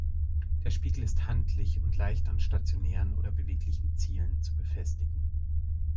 Der Spiegel ist handlich und leicht an stationären oder beweglichen Zielen zu befestigen.